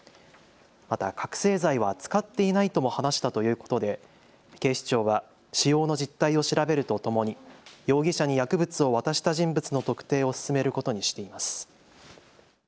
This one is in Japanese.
また、覚醒剤は使っていないとも話したということで警視庁は使用の実態を調べるとともに容疑者に薬物を渡した人物の特定を進めることにしています。